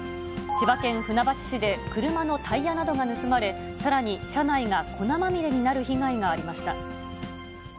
千葉県船橋市で、車のタイヤなどが盗まれ、さらに車内が粉まみれになる被害がありました。